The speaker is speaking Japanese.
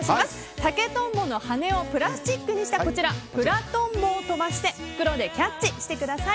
竹トンボの羽をプラスチックにしたプラトンボを飛ばして袋でキャッチしてください。